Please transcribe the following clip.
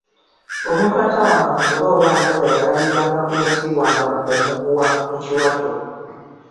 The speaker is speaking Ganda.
Omuntu atawanga musolo oba mpoza yalabirwanga ku yasibwanga omuguwa mu kiwato